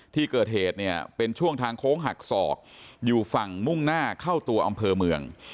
ที่เกิดเหตุเนี่ยเป็นช่วงทางโค้งหักศอกอยู่ฝั่งมุ่งหน้าเข้าตัวอำเภอเมือง